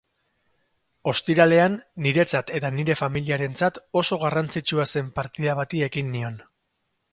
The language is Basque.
Ostiralean, niretzat eta nire familiarentzat oso garrantzitsua zen partida bati ekin nion.